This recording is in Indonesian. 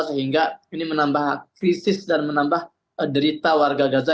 sehingga ini menambah krisis dan menambah derita warga gaza